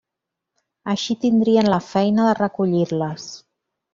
Així tindrien la feina de recollir-les.